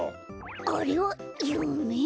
あれはゆめ？